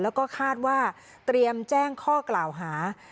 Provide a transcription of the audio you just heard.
แล้วก็คาดว่าเตรียมแจ้งข้อกล่าวหา